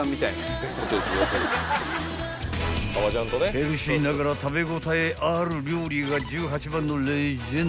［ヘルシーながら食べ応えある料理が十八番のレジェンド］